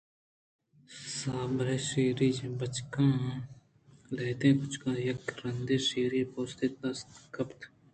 سیاہ بئے شِیری پنجگ لہتیں کُچکّاں یک رَندےشِیری پوستے دست کپت